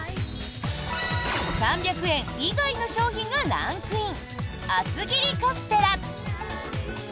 ３００円以外の商品がランクイン厚切りカステラ。